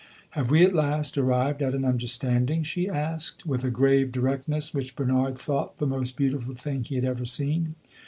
"Have we at last arrived at an understanding?" she asked, with a grave directness which Bernard thought the most beautiful thing he had ever seen.